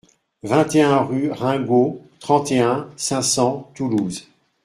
vingt et un rue Ringaud, trente et un, cinq cents, Toulouse